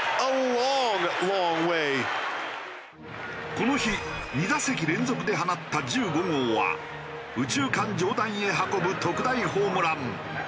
この日２打席連続で放った１５号は右中間上段へ運ぶ特大ホームラン。